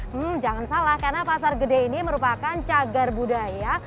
hmm jangan salah karena pasar gede ini merupakan cagar budaya